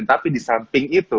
tapi disamping itu